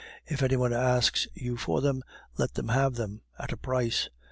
If any one asks you for them, let him have them at a price.